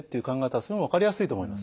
それも分かりやすいと思います。